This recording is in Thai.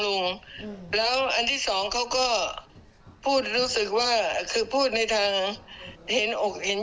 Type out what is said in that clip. ลงแล้วอันที่สองเขาก็พูดรู้สึกว่าคือพูดในทางเห็นอกเห็น